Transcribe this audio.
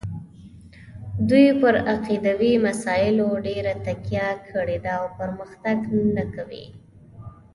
دوی پر عقیدوي مسایلو ډېره تکیه کړې ده او پرمختګ نه کوي.